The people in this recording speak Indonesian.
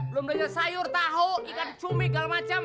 lu belanja sayur tahu ikan cumi segala macam